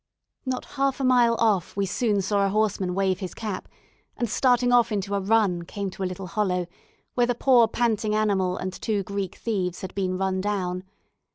Not half a mile off we soon saw a horseman wave his cap; and starting off into a run, came to a little hollow, where the poor panting animal and two Greek thieves had been run down.